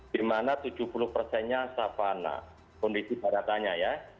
di mana tujuh puluh persennya savana kondisi baratannya